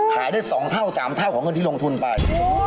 ขายได้๒เท่า๓เท่าของเงินที่ลงทุนไป